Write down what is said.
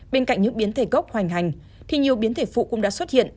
bên cạnh những biến thể gốc hoành hành thì nhiều biến thể phụ cũng đã xuất hiện